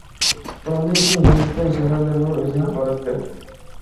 ئۇنىڭدىن كېيىن ھىندىستان شەھەرلىرىنىمۇ ئۆزىگە قاراتتى.